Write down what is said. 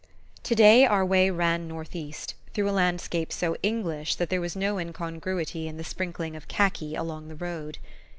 Today our way ran northeast, through a landscape so English that there was no incongruity in the sprinkling of khaki along the road.